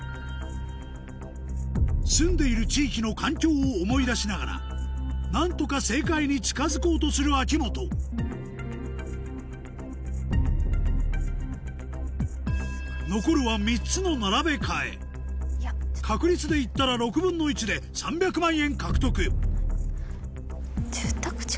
住んでいる地域の環境を思い出しながら何とか正解に近づこうとする秋元残るは３つの並べ替え確率で言ったら６分の１で３００万円獲得「住宅地」